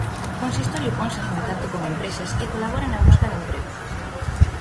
O consistorio ponse en contacto con empresas e colabora na busca de emprego.